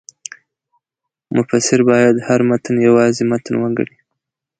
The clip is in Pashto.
مفسر باید هر متن یوازې متن وګڼي.